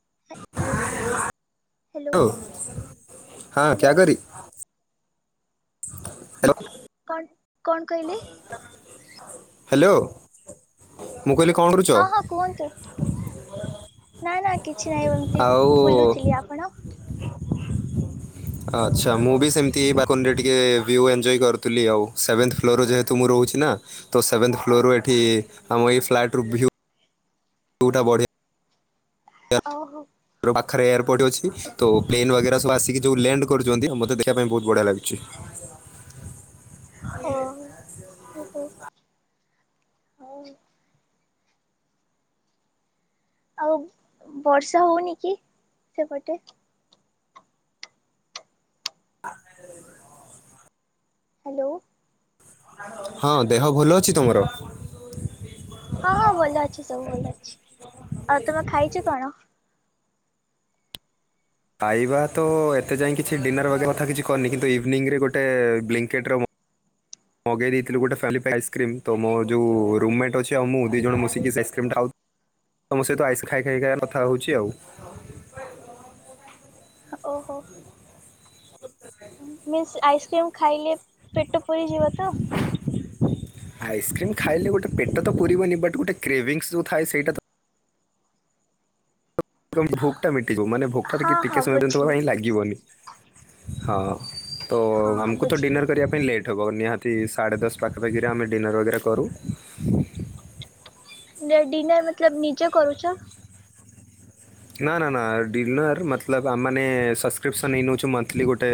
[inaudible] Hello ଲୋ ହଁ hello କ୍ୟା କରି ହାଲୋ। କନ୍ ହେଲୋ ମୁଁ କହିଲି କଣ କରୁଚ୍ ହଁ ହଁ କୁହନ୍ତୁ ନା ନା କିଛି ନାହିଁ ଏମିତି ଆଉ ବୁଲୁଥିଲି, ଆପଣ? ଆଚ୍ଛା ମୁଁ ବି ସେମିତି ବାଲକୁନିରେ ଟିକେ ଭିୟୁ ଏଞ୍ଜୟ୍ କରୁଥିଲି ଆଉ ସେଭେନ୍ଥ ଫ୍ଲୋରରେ ଯେହେତୁ ମୁଁ ରହୁଛି ନା ତ ସେଭନ୍ଥ ଫ୍ଲୋରରୁ ଏଠି ଆମ ଏ ଫ୍ଲାଟରୁ ଭିଉ ଉଟା ବଢିଆ। ଓହୋ। ପାଖରେ ଏୟାରପୋର୍ଟ ଅଛି ତ ପ୍ଲେନ୍ ବଗେରା ସବୁ ଆସିକି ଯୋଉ ଲ୍ୟାଣ୍ଡ କରୁଛନ୍ତି ମତେ ଦେଖିଆ ପାଇଁ ବହୁତ୍ ବଢିଆ ଲାଗୁଛି। ଓହୋ ଓହୋ ଅ। ଆଉ ବର୍ଷା ହଉନି କି ସେପଟେ? [inaudible] ହାଲୋ। ହଁ ଦେହ ଭୁଲ ଅଛି ତମର? ହଁ ହଁ ଭଲ ଅଛି ସବୁ ଭଲ ଅଛି ଆଉ ତୁମେ ଖାଇଛ କଣ? ଖାଇବା ତ ଏତେ ଯାଏ କିଛି ଡିନର ବଗେରା କିଛି କରିନି କିନ୍ତୁ ଇଭିନିଂରେ ଗୋଟେ ବ୍ଲିଁଙ୍କିଟର ମ ମଗେଇ ଦେଇଥିଲୁ ଗୋଟେ ଫ୍ୟାମିଲିପ୍ୟାକ ଆଇସ୍କ୍ରିମ ତ ମୋ ଯୋଉ ରୁମମେଟ ଅଛି ଆଉଁ ମୁଁ ଦି ଜଣ ମିଶିକି ସେ ଆଇସକ୍ରିମ୍ ଖାଉ ତମ ସହିତ ଆଇସ୍ ଖାଇ ଖାଇକା କଥା ହଉଛି ଆଉ। ଓହୋ। ମିନ୍ସ ଆଇସ୍କ୍ରିମ ଖାଇଲେ ପେଟ ପୁରିଯିବ ତ? ଆଇସ୍କ୍ରିମ୍ ଖାଇଲେ ଗୋଟେ ପେଟ ତ ପୁରିବନି ବଟ୍ ଗୋଟେ କ୍ରେଭିଙ୍ଗଶ୍ ଯୋଉ ଥାଏ ସେଇଟା ତ ଭୋକ୍ ଟା ମିଟିଯିବ ମାନେ ଭୋକଟା ହଁ ଟିକ ହଁ ଟିକେ ସମୟ ବୁଝିଲି ପାଇଁ ଲାଗି ଗିବନି ହଁ ତ ହଁ ହଁ ଆମକୁ ତ ବୁଝିଲି ଡିନର କରିଆ ପାଇଁ ଲେଟ୍ ହେବ ନିହାତି ସାଢ଼େ ଦଶ ପାଖାପାଖିରେ ଆମେ ଡିନର୍ ବଗେରା କରୁ। ଡିନର ମତଲବ ନିଜେ କରୁଛ? ନା ନା ନା ଡିଲର ମତଲବ ଆମ୍ ମାନେ ସବସ୍କ୍ରିପସନ୍ ହେଇ ନେଉଛି ମନ୍ଥଲି ଗୋଟେ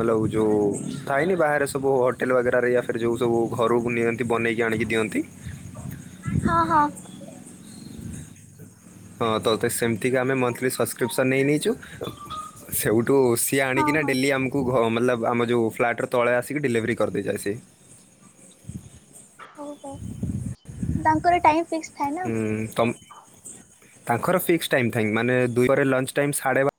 ମଲଉ ଯୋଉ ଥାଏନି ବାହାରେ ସବୁ ହୋଟେଲ୍ ବଗରାରେ ୟା ଫିର୍ ଯେଉଁ ସବୁ ଘରକୁ ନିଅନ୍ତି ବନେଇକି ଆଣିକି ଦିଅନ୍ତି। ହଁ ହଁ। ହଁ ତ ତ ସେମିତିକା ଆମେ ମନ୍ଥଲି ସବସ୍କ୍ରିପସନ୍ ନେଇ ନେଇଛୁ ସେଉଠୁ ସିଏ ହଁ ଆଣିକିନା ହଁ ଡେଲି ଆମକୁ ଘ୍ ମତଲବ ଆମ ଯେଉଁ ଫ୍ଲାଟର ତଳେ ଆସିକି ଡେଲିଭରି କରିଦେଇଯାଏ ସିଏ। ହଉ ହଉ ତାଙ୍କର ଟାଇମ ଫିକ୍ସ ଥାଏ ନା ହୁଁ ତମ୍ ତାଙ୍କର ଫିକ୍ସ ଟାଇମ ଥାଈଙ୍ଗ ମାନେ ଦୁଇପହରେ ଲଞ୍ଚ ଟାଇମ ସାଢେ଼ ବାର୍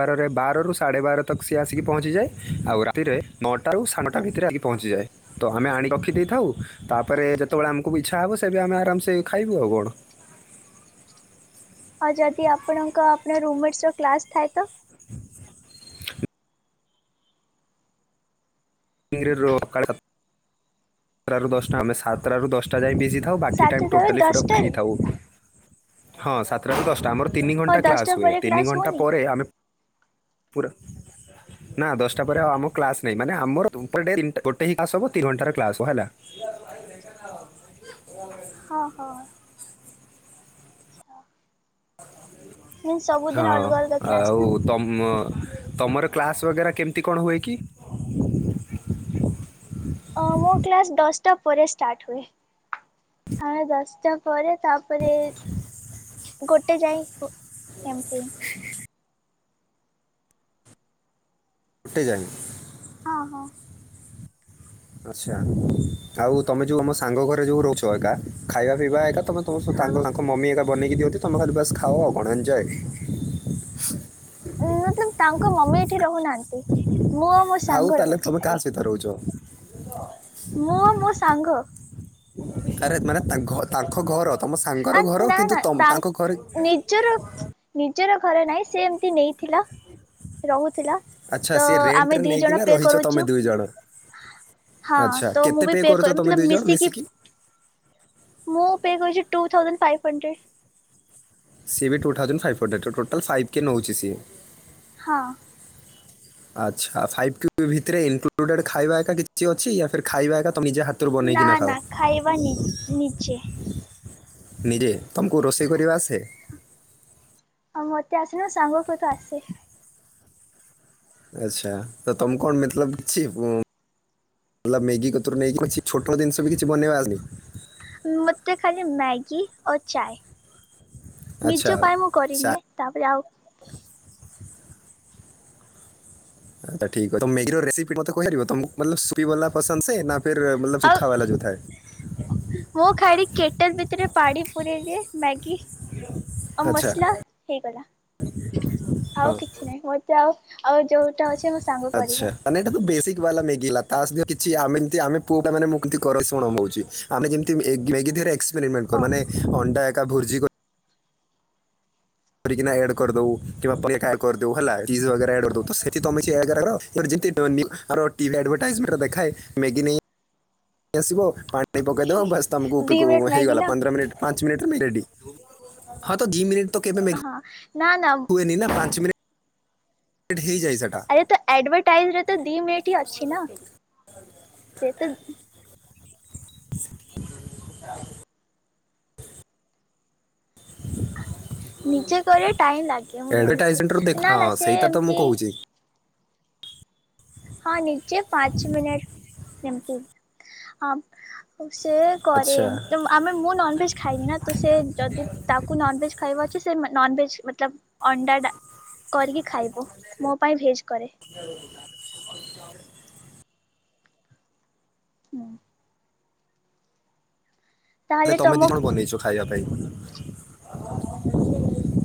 ବାରରେ ବାରରୁ ସାଢ଼େ ବାର ତକ ସିଏ ଆସିକି ପହଞ୍ଚିଯାଏ। ଆଉ ରାତିରେ ନଅଟାରୁ ସାଢେ଼ ନଅଟା ଭିତରେ ଆସିକି ପହଞ୍ଚିଯାଏ। ତ ଆମେ ଆଣିକି ରଖିଦେଇଥାଉ। ତାପରେ ଯେତେବେଳେ ଆମକୁ ବି ଇଚ୍ଛା ହେବ ସେବେ ଆମେ ଆରାମସେ ଖାଇବୁ ଆଉ କଣ? ଆଉ ଯଦି ଆପଣଙ୍କ ଆପଣ ରୁମମେଟର କ୍ଲାସ ଥାଏ ତ। [inaudible] [inaudible] ସାତଟାରୁ ଦଶଟା ଆମେ ସାତଟାରୁ ଦଶଟା ଯାଇ ବିଜି ଥାଉ ବାକି ଟାଇମ୍ ସାତଟାରୁ ଟୋଟାଲି ପୁରା ଫ୍ରି ଦଶଟାରେ ଥାଉ। ହଁ ସାତଟାରୁ ଦଶଟା ଆମର ତିନି ହଉ ଘଣ୍ଟା ଦଶଟା କ୍ଲାସ ହୁଏ ପରେ ତିନି କ୍ଲାସ୍ ଘଣ୍ଟା ହଉନି ପରେ ଆମେ ପୁରା। ନା ଦଶଟା ପରେ ଆଉ ଆମ କ୍ଲାସ ନହିଁ ମାନେ [unintelligible] ଗୋଟେ କ୍ଲାସ ହବ ତିନି ଘଣ୍ଟାର କ୍ଲାସ ହେଲା। [inaudible] ହଁ ହଁ। ହଁ ସବୁଦିନ ଅଲଗା ଅଲଗା କ୍ଲାସ ଆଉ ନା। ତମ ତମର କ୍ଲାସ୍ ବଗେରା କେମିତି କଣ ହୁଏ କି? ଓ ମୋ କ୍ଲାସ ଦଶଟା ପରେ ଷ୍ଟାର୍ଟ ହୁଏ। ଆମେ ଦଶଟା ପରେ ତାପରେ ଗୋଟେ ଯାଏଁ ଓ ଏମିତି ଗୁଟେ ଯାଏଁ। ହଁ ହଁ। ଆଚ୍ଛା ଆଉ ତୁମେ ଯେଉ ଆମ ସାଙ୍ଗ ଘରେ ଯେଉ ରହୁଛ ଏକା ଖାଇବା ପିଇବା ଏକା‌ ତମ ତମ ସହ ହଁ ତାଙ୍କ ମମି ଏକା ବନେଇକି ଦିଅନ୍ତି ତମ ଖାଲି ବାସ୍ ଖାଅ ଆଉ କଣ ଏଞୟେ। [unintelligible] ତାଙ୍କ ମମି ଏଇଠି ରହୁନାହାନ୍ତି। ମୁଁ ମୋ ଆଉ ସାଙ୍ଗ ତାହେଲେ ରହୁଛି ତମେ ଖାଲି କାହା ସହିତ ରହୁଚ? ମୁଁ ଓ ମୋ ସାଙ୍ଗ। ଆରେ ମାନେ ତା ଘ ତାଙ୍ଖ ଘର ତମ ଆ ସାଙ୍ଗର ଘର ନା ନା କିନ୍ତୁ ତମ୍ ତା ତାଙ୍କ ଘରେ ନିଜର ନିଜର ଘର ନାହିଁ ସେ ଏମତି ନେଇଥିଲା ରହୁଥିଲା। ଆଚ୍ଛା ତ ସିଏ ଆମେ ରେଣ୍ଟରେ ଦି ଜଣ ନେଇକିନା ପେ ରହିଛ ତମେ କରୁଚୁ। ଦୁଇ ଜଣ ହଁ ଆଚ୍ଛା ତ କେତେ ମୁଁ ବି ପେ କରୁଛ ତମେ କରିବି ଦୁଇ ଜଣ ମିଶିକି ମୁଁ ପେ କରୁଚି ଟୁ ଥାଉଜେଣ୍ଡ ଫାଇପ ହଣ୍ଡ୍ରେଡ୍। ସିଏ ବି ଟୁ ଥାଉଜେଣ୍ଡ ଫାଇଭ ହଣ୍ଡ୍ରେଡ଼ ତ ଟୋଟାଲ୍ ଫାଇଭ୍ କେ ନେଉଚି ସିଏ। ହଁ। ଆଚ୍ଛା [unintelligible] ଭିତରେ ଇନକ୍ଲୁଡେଡ୍ ଖାଇବା ଏକା କିଛି ଅଛି ଖାଇବା ଏକା ନିଜେ ହାତ୍ ତରୁ ନା ବନେଇକିନା ଖାଅ। ନା ଖାଇବା ନି ନିଜେ ନିରେ ତମକୁ ରୋଷେଇ କରିବା ଆସେ? ଆଉ ମତେ ଅସନା ସାଙ୍ଗକୁ କିନ୍ତୁ ଆସେ। ଆଚ୍ଛା ତ ତମକୁ କଣ ମତଲବ କିଛି [unintelligible] [unintelligible] ମେଗି କତରୁ ନେଇକି କିଛି ଛୋଟ ମୋଟ ଜିନିଷ ବି କିଛି ବନେଇବା ଆସେନି? ମୋତେ ଖାଲି ମ୍ୟାଗୀ ଓ ଚାଏ ଆଚ୍ଛା ନିଜ ପାଇଁ ମୁଁ ଚା- କରିନିଏ ତାପରେ ଆଉ ତ ଠିକ୍ ମେଗିର ରେସିପି ମତେ କହିପାରିବ ତମକୁ ମତଲବ ସୁପି ବାଲା ପସନ୍ଦ ସେ ନା ଫେର ମତଲବ ଆଉ ସୁୁଖା ବାଲା ଯଉଥାଏ। ମୁଁ ଖାଲି କେଟଲ ଭିତରେ ପାଣି ପୁରେଇଦିଏ ମ୍ୟାଗି ଆଉ ଆଚ୍ଛା ମସଲା ହେଇଗଲା ହଁ ଆଉ କିଛି କିଛି ନାହିଁ ମତେ ଆଉ ଆଉ ଯୋଉଟା ଅଛି ଯେ ଆଚ୍ଛା‌। ମାନେ ଏଇଟା ତ ବେସିକ ବାଲା ମେଗି ହେଲା ତା ସହିତ କିଛି ଆମେ [unintelligible] ଆମେ ପୁଅ ପିଲା ମାନେ [unintelligible] କର ଶୁଣ ମୁଁ ହଉଚି। ଆମେ ଯେମତି ଏଗ୍ ମେଗି ଦିହରେ ଏକ୍ସପେରିମେଣ୍ଟ କରୁ ଓ ମାନେ ଅଣ୍ଡା ଏକା ଭୃଜି କର୍ ରିକାନା ଆଡ୍ କରଦବୁ‌ କିମ୍ବା ପନିର୍ [unintelligible] ହେଲା ଚିଜ୍ ବଗେରାଆଡ୍‌ କରଦବୁ ତ ସେଥି ତମେ [unintelligible] [unintelligible] [unintelligible] ଆର ଟିଭି ଆଡଭର୍ଟାଇଜମେଟ ଦେଖାଏ ମେଗି ନେଇ ଆସିବ ପାଣି ପକେଇଦବ ବାସ୍ ତମକୁ ଦି ଉପିକୁ ମିନିଟ୍ ମ୍ୟାଗି ହେଇଗଲା ନା ପନ୍ଦର ମିନିଟ୍ ପାଞ୍ଚ ମିନିଟରେ ମେ ରେଡ଼ି ହଁ ଦି ମିନିଟ୍ କେବେ ମେଘ ହଁ ନା ନା ହୁଏନି ନା ପାଞ୍ଚ ମିନିଟ୍ [unintelligible] ହେଇଯାଏ ସେଟା। [unintelligible] ତ ଆଡଭାଟାଇଜରେ ତ ଦି ମିନିଟ୍ ଅଛି ନା। ନିଜେ କରେ ଟାଇମ୍ ଲାଗେ ମୁଁ ଆଡଭର୍ଟାଇଜମେଣ୍ଟରୁ ଦେଖ ଜାଣିଚି ନା ହଁ ନା ସେ ସେଇଟା ତ ମୁଁ ଏମତି କହୁଛି ହଁ ନିଜେ ପାଞ୍ଚ୍ ମିନିଟ୍ ଏମ୍ତି ହଁ ସେ କରେ ଆଚ୍ଛା ଏମ୍ତି ମା ଆମେ ମୁଁ ନନଭେଜ୍ ଖାଇନି ନା ତ ସେ ଯଦି ତାକୁ ନନଭେଜ୍ ଖାଇବ ଅଛି ସେ ମାନ୍ ନନଭେଜ୍ ମତଲବ ଅଣ୍ଡାଟା କରିକି ଖାଇବ ମୋ ପାଇଁ ଭେଜ୍ କରେ। ହୁଁ। ଆରେ ତାହେଲେ ତମେ ତମ ଦି ଜଣ ବନେଇଚ ଖାଇବା ପାଇଁ?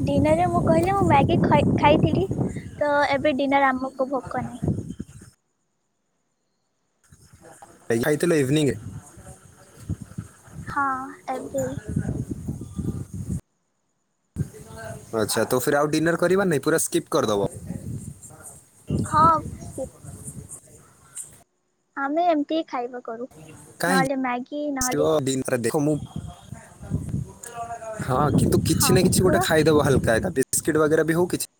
ଡିନରରେ ମୁଁ କହିଲି ମୁଁ ମ୍ୟାଗି ଖ ଖାଇଥିଲି ତ ଏବେ ଡିନର ଆମକୁ ଭୋକ ନାଇ। ଇ ଖାଇଥିଲ ଇଭିନିଙ୍ଗ ଏ। ହଁ ଏବେ। ଆଚ୍ଛା ତ ଫିର୍ ଆଉ ଡିନର କରିବା ନାଇଁ ପୁରା ସ୍କିପ୍ କରିଦବ? ହଁ ସ୍କିପ୍। ଆମେ ଏମତି ଖାଇବା କରୁ। ନହେଲେ ମ୍ୟାଗି କାଇଁକି ନହେଲେ ଷ୍ଟୁଅ ବିନ ଆରେ ଦେଖ ମୁଁ ହଁ କିନ୍ତୁ ହଁ କିଛି ନା କିଛି କୁହ ଗୋଟେ ଖାଇଦବ ହାଲକା ଏକା ବିସ୍କିଟ୍ ବଗେରା ବି ହଉ କିଛି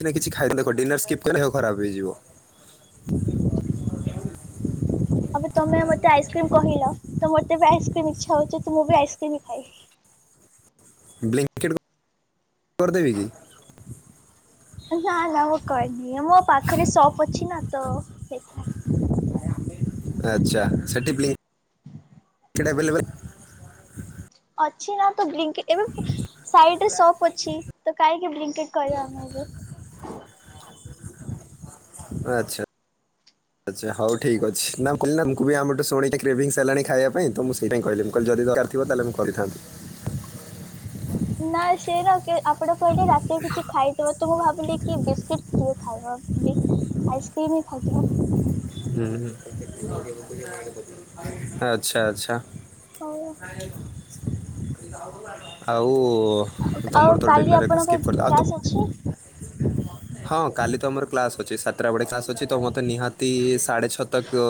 କି ନା କିଛି ଖାଇଦ ଦେଖ ଡିନର ସ୍କିପ୍ କଲେ ଦେହ ଖରାପ ହେଇଯିବ। ଆବେ ତମେ ମତେ ଆଇସ୍କ୍ରିମ କହିଲ ତ ମତେ ବି ଆଇସ୍କ୍ରିମ ଇଚ୍ଛା ହଉଚି ତ ମୁଁ ବି ଆଇସ୍କ୍ରିମ ଖାଇବି। ବ୍ଲିଙ୍କିଟ କରଦେବି କି? ନା ନା ମୁଁ କରିନିଏ ମୋ ପାଖରେ ସପ୍ ଅଛି ନା ତ ସେଇଥିପାଇଁ। ଆଚ୍ଛା ସେଠି ବ୍ଲି ସେଟା ଅଭଲେବେଲେ ଅଛି ନା ତ ବ୍ଲିଙ୍କି ଏବେ ପା ସାଇଡ ରେ ସପ୍ ଅଛି ତ କାଇଁକି ବ୍ଲୀଙ୍କିଟ କରିବା ଆମେ ଏବେ। ଆଚ୍ଛା। ଆଚ୍ଛା ହଉ ଠିକ୍ ଅଛି ନା କହିଲ ନା ମୁଁ ବି ଆମକୁ ଶୁଣିକି କ୍ରେଭିଂସ ହେଲାଣି ଖାଇବା ପାଇଁ ତ ମୁଁ ସେଇ ପାଇଁ କଇଲି କହିଲି ଯଦି ଦରକାର୍ ଥିବ ତାହଲେ ମୁଁ କରିଥାନ୍ତି। ନା ସେରା କେ ଆପଣ କହିଲେ ରାତିରେ କିଛି ଖାଇଥିବ ତ ମୁଁ ଭାବିଲି କି ବିସ୍କୁିଟ୍ କିଏ ଖାଇବ ଏବେ ଆଇସ୍କ୍ରିମ ହିଁ ଖାଇଦେବା। ହୁଁ ହୁଁ ଆଚ୍ଛା ଆଚ୍ଛା। ହଉ। ଆଉ। ଓ ଆଉ ତମର ତ କାଲି ଡିନରେ ଏକା ଆପଣଙ୍କ ସ୍କିପ କରିଲ ଆଉ ତ କ୍ଲାସ୍ ଅଛି ହଁ କାଲି ତ ମୋର କ୍ଲାସ ଅଛି ସାତଟା ବେଳେ କ୍ଲାସ ଅଛି ତ ମତେ ନିହାତି ଇସ୍ ସାଢ଼େ ଛଅ ତକ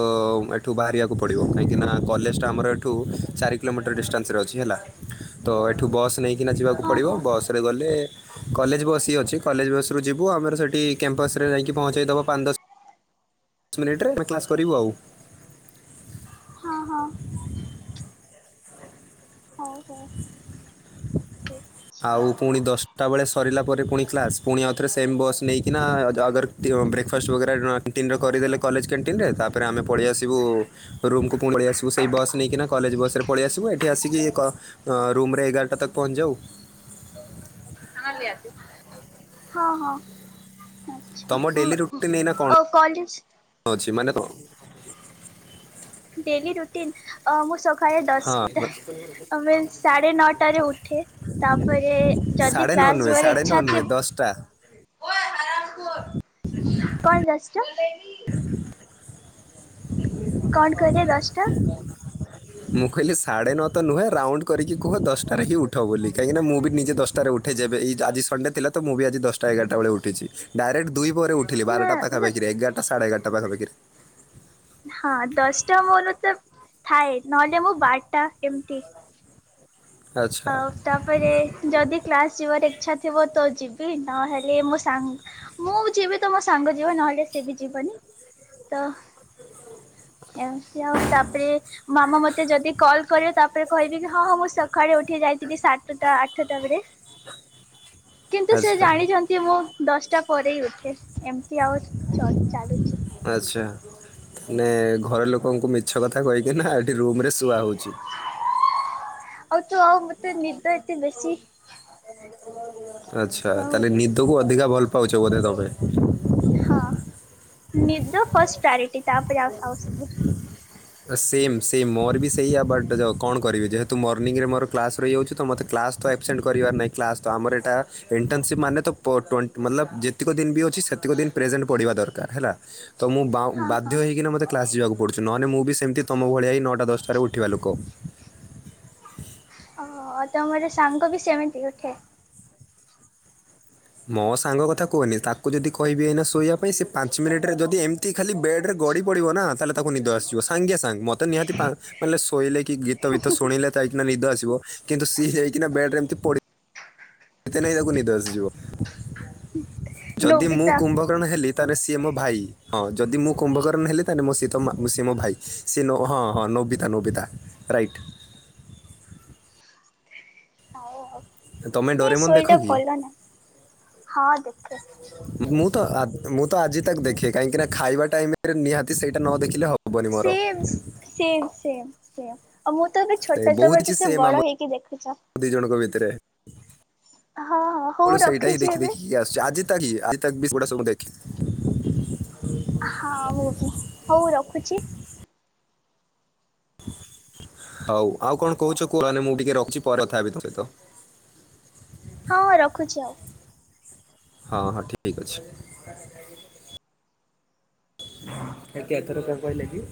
ଏଠୁ ବାହାରିଆକୁ ପଡ଼ିବ କାହିଁକିନା କଲେଜଟା ଆମର ଏଠୁ ଚାରି କିଲୋମିଟର ଡିଷ୍ଟାନ୍ସରେ ଅଛି ହେଲା ତ ଏଠୁ ବସ୍ ନେଇକିନା ଯିବାକୁ ହଁ ପଡ଼ିବ ହଁ ବସ୍ ରେ ଗଲେ କଲେଜ ବସ ବି ଅଛି। କଲେଜ ବସ ରୁ ଯିବୁ ଆମର ସେଇଠି କ୍ୟାମ୍ପସରେ ଯାଇକି ପହଞ୍ଚେଇଦବ ପାଞ୍ଚ ଦଶ ମିନିଟ ରେ ଆମେ କ୍ଲାସ୍ କରିବୁ ଆଉ। ହଁ ହଁ। ହଉ ହଉ ଟିକ ଆଉ ପୁଣି ଦଶଟା ବେଳେ ସରିଲା ପରେ ପୁଣି କ୍ଲାସ୍ ପୁଣି ଆଉଥରେ ସେମ୍ ବସ୍ ନେଇକିନା ଜା ଅଗର ଟିୟୁଁ ବ୍ରେକ୍ ଫାଷ୍ଟ ବଗେରା କ୍ୟାଣ୍ଟିନ୍ ରେ କରିଦେଲେ କଲେଜ୍ କ୍ୟାଣ୍ଟିନ୍ ରେ ତାପରେ ଆମେ ପଳିଆସିବୁ। ରୁମ୍କୁ ପୁଣି ପଳିଆସିବୁ ସେଇ ବସ୍ ନେଇକିନା କଲେଜ ବସରେ ପଳିଆସିବୁ ଏଠି ଆସିକି କ ରୁମ୍ରରେ ଏଗାରଟା ତକ ପହଞ୍ଚିଯାଉ। ହଁ ହଁ। ଆଚ୍ଛା ତମ ହଉ ଡେଲି କ ରୁଟିନ୍ ଏଇନା କ'ଣ ଆଉ କଲେଜ ଅଛି ମାନେ କଣ? ଡେଲି ରୁଟିନ୍ ଅ ମୁଁ ସ ଖାଳେ ହଁ ଦଶଟା ଆ ମୀନ୍ସ ସାଢେ ନଅଟାରେ ଉଠେ ତାପରେ ଯଦି ସାଢ଼େ ନଅ କ୍ଲାସ ନୁହେଁ ଯିବାର ସାଢ଼େ ନଅ ଇଚ୍ଛା ନୁହେଁ ଥିବ ଦଶଟା [unintelligible] କଣ କହିଲେ ଦଶଟା? ମୁଁ କହିଲି ସାଢେ ନଅ ତ ନୁହେଁ ରାଉଣ୍ଡ କରିକି କୁହ ଦଶଟାରେ ହିଁ ଉଠ ବୋଲି କାହିଁକିନା ମୁଁ ବି ନିଜେ ଦଶ ଟାରେ ଉଠେ ଯେବେ ଏଇ ଆଜି ସଣ୍ଡେ ଥିଲା ତ ମୁଁ ବି ଆଜି ଦଶଟା ଏଗାରଟା ବେଳେ ଉଠିଚି। ଡାଇରେକ୍ଟ ଦୁଇପହରେ ଉଠିଲି ବାରଟା ପାଖା ନା ପାଖି ଏଗାରଟା ସାଢେ ଏଗାରଟା ପାଖା ପାଖି ରେ। ହଁ ଦଶଟା ମୋର ତ ଥାଏ ନହେଲେ ମୁଁ ବାରଟା ଏମିତି ଆଚ୍ଛା ଆଉ ତାପରେ ଯଦି କ୍ଲାସ ଯିବାର ଇଚ୍ଛା ଥିବ ତ ଯିବି ନହେଲେ ମୋ ସାଙ୍ଗ ମୁଁ ଯିବି ତ ମୋ ସାଙ୍ଗ ଯିବ ନହେଲେ ସେ ବି ଯିବନି ତ ଏମିତି ଆଉ ବି ତାପରେ ମାମା ମତେ ଯଦି କଲ୍ କରିବ ତାପରେ କହିବି କି ହଁ ହଁ ମୁଁ ସକାଳେ ଉ ଠି ଯାଇଥିଲି ସାତଟା ଆଠଟା ବରେ କିନ୍ତୁ ସେ ଆଚ୍ଛା ଜାଣିଛନ୍ତି କି ମୁଁ ଦଶଟା ପରେ ହି ଉଠେ ଏମିତି ଆଉ ଚାଲୁଛି। ଆଚ୍ଛା ମାନେ ଘର ଲୋକଙ୍କୁ ମିଛ କଥା କହିକିନା ଏଠି ରୁମ୍ରେ ଶୁଆ ହେଉଛି। ଆଉ ତ ଆଉ ମତେ ନିଦ ଏତେ ବେଶୀ। ଆଛା ଆଉ ତାହେଲେ ନିଦକୁ ଅଧିକା ଭଲ ପାଉଛ ବୋଧେ ତମେ। ହଁ ନିଦ ଫଷ୍ଟ ପ୍ରାୟୋରିଟି ତାପରେ ଆଉ ଆଉ ସବୁ। ସେମ୍ ସେମ୍ ମୋର ବି ସେଇଆା ବଟ୍ କଣ କରିବି ଯେହେତୁ ମର୍ଣ୍ଣିଂରେ ମୋର କ୍ଲାସ୍ ରହିଯାଉଛି ତ ମୋତେ କ୍ଲାସ୍। ତ ଆବସେଣ୍ଟ କରିବାର ନାହିଁ କ୍ଲାସ୍ ତ ଆମର ଏଇଟା ଇଣ୍ଟର୍ନସିପ୍ ମାନେ ତ ଟେଣ୍ ମତଲବ ଯେତିକ ଦିନ ବି ଅଛି ସେତିକ ଦିନ ପ୍ରେଜେଣ୍ଟ ପଡ଼ିବା ଦରକାର ହେଲା। ତ ମୁଁ ହଁ ବାଧ୍ୟ ହଁ ହୋଇକି ମୋତେ କ୍ଲାସ୍ ଯିବାକୁ ପଡ଼ୁଛି ନହେଲେ ମୁଁ ବି ସେମିତି ତମ ଭଳିଆ ହେ ନଅଟା ଦଶଟାରେ ଉଠିବା ଲୋକ। ଓଉ ତ ମୋର ସାଙ୍ଗ ବି ସେମିତି ଉଠେ। ମୋ ସାଙ୍ଗ କଥା କୁହନି ତାକୁ ଯଦି କହିବି ଏଇନା ଶୋଇବା ପାଇଁ ସେ ପାଞ୍ଚ ମିନିଟରେ ଯଦି ଏମତି ତି ଖାଲି ବେଡ଼୍ରେ ଗଡ଼ି ପଡ଼ିବ ନା ତାହେଲେ ତାକୁ ନିଦ ଆସିବ ସାଙ୍ଗେ ସାଙ୍ଗେ ମୋତେ ନିହାତି ମାନେ ଶୋଇଲେ କି ଗୀତ ଫିତ ଶୁଣିଲେ କାଇକିନା ନିଦ ଆସିବ କିନ୍ତୁ ସିଏ ଯାଇକିନା ବେଡ ରେମତି ପ ତାକୁ ନିଦ ଆସିଯିବ ଯଦି ମୁଁ ନୋବିତା କୁମ୍ଭ କ ଣ ହେଲି ତ ସିଏ ମୋ ଭାଇ ହଁ ଯଦି ମୁଁ କୁମ୍ଭକର୍ଣ ହେଲି ତାେ ମୋ ସ ସିଏ ମୋ ଭାଇ। ସେ ନ ହଁ ହଁ ନୋବିତା ନୋବିତା ରାଇଟ। ତମେ ଏ ଡୋରେମନ୍ ଦେଖ ଶୋଇଟା କି ଭଲ ନା ହଁ ଦେଖେ ମୁଁ ତ ମୁଁ ତ ଆଜି ତାକୁ ଦେଖେ କାହିଁକି ନା ଖାଇବା ଟାଇମରେ ନିହାତି ସେଇଟା ନ ଦେଖିଲେ ହବ ସେମ୍ ସେମ୍ ସେମ୍ ସେମ୍ ଆଉ ମୁଁ ତ ଏବେ ଏ ଛୋଟ ବହୁତ ସବ କିଛି ତତେ ସେମ୍ ଆମ ବଡ ହେଇକି ଦେଖୁଛ। ଦି ଜଣଙ୍କ ହଁ ହଁ ହଉ ଭିତରେକେବଳ ସେଇଟା ହିଁ ରଖିଛି ଦେଖି ଏବେ। ଦେଖିକି ଆସ ଆଜି ତାକି ଆଜି ତାକି ବି ସେଗୁଡା ସବୁ ଦେଖେ ହଁ ମୁଁ କି ହଉ ରଖୁଛି। ହଉ ଆଉ କଣ କହୁଛ କୁହ। ନହେନେ ମୁଁ ଟିକେ ରଖିଛି ପରେକଥା ହେବି ତୋ ସହିତ। ହଁ ହଁ ରଖୁଛି ଆଉ। ହଁ ହଁ ଠିକ ଅଛି। ହଁ ଏଥର ସବୁ କହିଲେକି